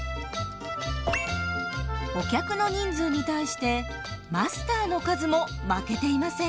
お客の人数に対してマスターの数も負けていません。